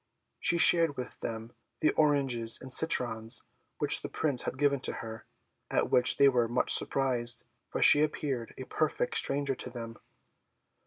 She shared with them the oranges and citrons which the Prince had given to her; at which they were much surprised, for she appeared a perfect stranger to them.